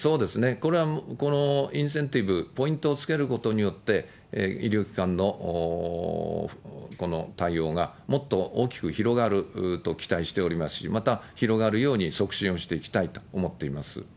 これはこのインセンティブ、ポイントをつけることによって、医療機関のこの対応がもっと大きく広がると期待しておりますし、また、広がるように促進をしていきたいと思っています。